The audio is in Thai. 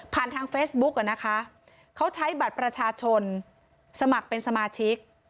ทางเฟซบุ๊กอ่ะนะคะเขาใช้บัตรประชาชนสมัครเป็นสมาชิก